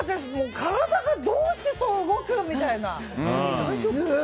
体がどうしてそう動くみたいな。